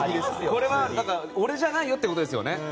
これは俺じゃないよってことですよね。